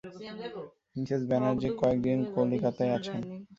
Mrs Banerjee কয়েকদিন কলিকাতায় আছেন।